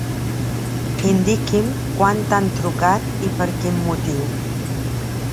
Indiqui'm quan t'han trucat i per quin motiu.